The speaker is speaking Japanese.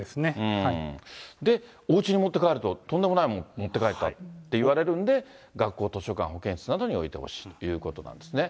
で、おうちに持って帰ると、とんでもないもの持って帰ったって言われるんで、学校、図書館、保健室などに置いてほしいということなんですね。